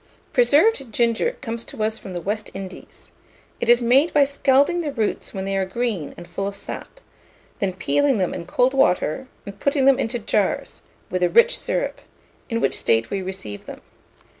PRESERVED GINGER comes to us from the West Indies. It is made by scalding the roots when they are green and full of sap, then peeling them in cold water, and putting them into jars, with a rich syrup; in which state we receive them.